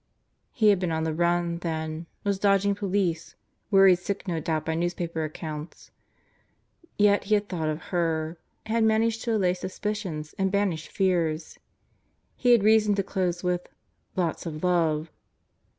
He had been on the run, then; was dodging police; worried sick no doubt by newspaper accounts. Yet he had thought of her! Had managed to allay suspicions and banish fears. He had reason to close with: "Lots of love."